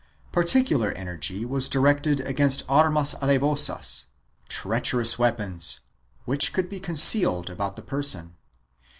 Particular energy was directed against armas alevosas — treacherous weapons — which could be concealed about the person.